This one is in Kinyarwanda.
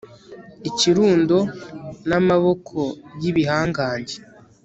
Ikirundo namaboko yibihangange